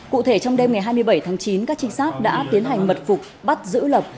cụ thể trong đêm ngày hai mươi bảy tháng chín các trinh sát đã tiến hành mật phục bắt giữ lập